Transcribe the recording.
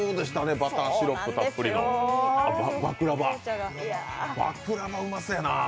バターシロップたっぷりのバクラヴァうまそうやな。